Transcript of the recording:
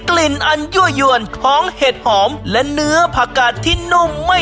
กลิ่นอันยั่วยวนของเห็ดหอมและเนื้อผักกาดที่นุ่มไม่